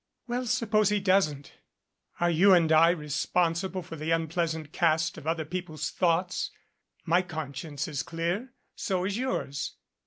"Well suppose he doesn't. Are you and I responsi ble for the unpleasant cast of other people's thoughts? My conscience is clear. So is yours.